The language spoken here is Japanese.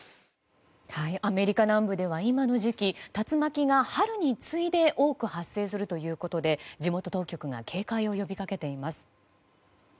アメリカ南部では今の時期竜巻が春に次いで多く発生するということで地元当局が警戒を呼びかけています。